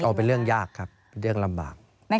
เอาเป็นเรื่องยากครับเป็นเรื่องลำบาก